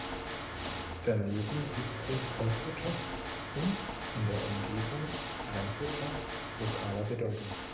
Daneben gibt es Holzwirtschaft und in der Umgebung Landwirtschaft lokaler Bedeutung.